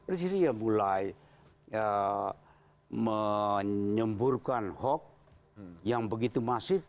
di syria mulai menyemburkan hoax yang begitu masif